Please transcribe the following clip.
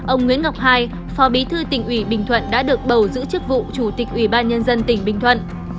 ông nguyễn ngọc hai phó bí thư tỉnh ủy bình thuận đã được bầu giữ chức vụ chủ tịch ủy ban nhân dân tỉnh bình thuận